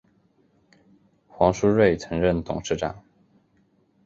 黄书锐曾任董事长。